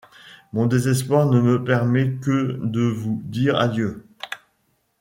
Mon désespoir ne me permet que de vous dire adieu.